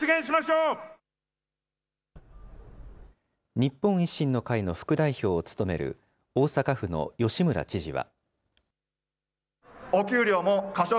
日本維新の会の副代表を務める大阪府の吉村知事は。